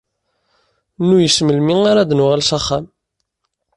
Nuyes melmi ara d-nuɣal s axxam.